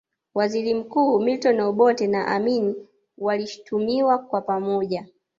Waziri mkuu Milton Obote na Amin walishutumiwa kwa pamoja